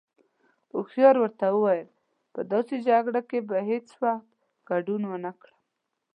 هوښيار ورته وويل: په داسې جگړه کې به هیڅ وخت گډون ونکړم.